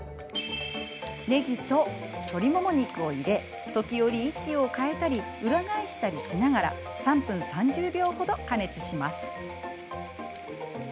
ねぎと鶏もも肉を入れ時折、位置を変えたり裏返したりしながら３分３０秒程、加熱します。